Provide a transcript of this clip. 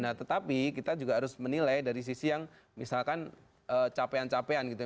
nah tetapi kita juga harus menilai dari sisi yang misalkan capaian capaian gitu